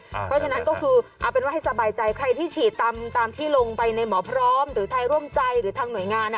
เพราะฉะนั้นก็คือเอาเป็นว่าให้สบายใจใครที่ฉีดตามที่ลงไปในหมอพร้อมหรือไทยร่วมใจหรือทางหน่วยงาน